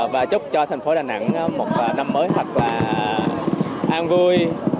và chúc cho thành phố đà nẵng một năm mới thật và an vui